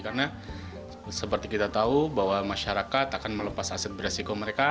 karena seperti kita tahu bahwa masyarakat akan melepas aset beresiko mereka